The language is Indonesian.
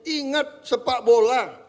ingat sepak bola